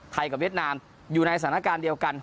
กับเวียดนามอยู่ในสถานการณ์เดียวกัน